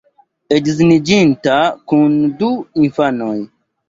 Edziniĝinta kun du infanoj.